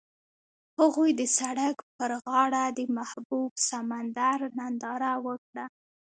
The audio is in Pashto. هغوی د سړک پر غاړه د محبوب سمندر ننداره وکړه.